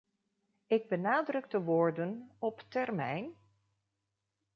Ik benadruk de woorden 'op termijn?.